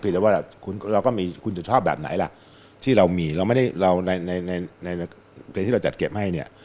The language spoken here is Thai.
แต่ว่าเราก็มีคุณจะชอบแบบไหนล่ะที่เรามีเราไม่ได้เราในในเพลงที่เราจัดเก็บให้เนี่ย